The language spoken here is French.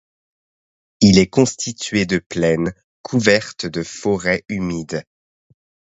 Il est constitué de plaines couvertes de forêt humide.